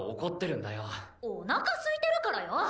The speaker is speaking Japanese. おなかすいてるからよ！